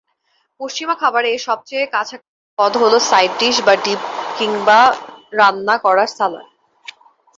পশ্চিমা খাবারে এর সবচেয়ে কাছাকাছি পদ হল সাইড ডিশ বা ডিপ কিংবা রান্না করা সালাদ।